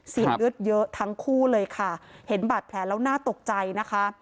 เลือดเยอะทั้งคู่เลยค่ะเห็นบาดแผลแล้วน่าตกใจนะคะ